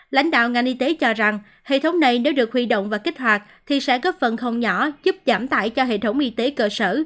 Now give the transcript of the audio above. lãnh đạo ngành y tế cho rằng hệ thống này nếu được huy động và kích hoạt thì sẽ góp phần không nhỏ giúp giảm tải cho hệ thống y tế cơ sở